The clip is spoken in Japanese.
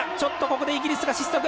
ここでイギリスが失速。